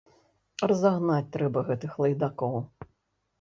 Разагнаць трэба гэтых лайдакоў!